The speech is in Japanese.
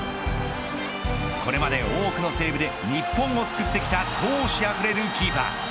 これまで多くのセーブで日本を救ってきた闘志あふれるキーパー。